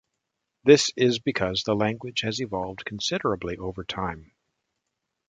This is because the language has evolved considerably over time.